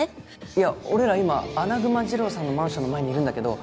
いや俺ら今アナグマ治郎さんのマンションの前にいるんだけど。